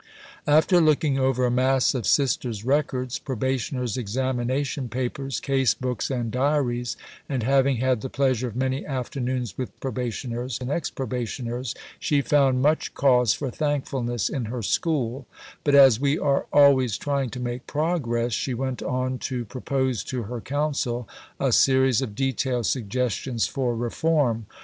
"After looking over a mass of Sisters' Records, Probationers' examination papers, case books, and diaries, and having had the pleasure of many afternoons with Probationers and ex Probationers," she found "much cause for thankfulness" in her School; but "as we are always trying to make progress," she went on to propose to her Council a series of detailed suggestions for reform.